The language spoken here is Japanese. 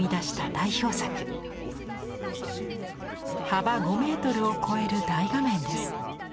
幅５メートルを超える大画面です。